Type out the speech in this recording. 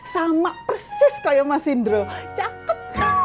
sama persis kayak mas indro cakep